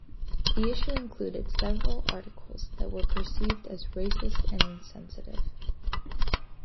The issue included several articles that were perceived as racist and insensitive.